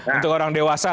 untuk orang dewasa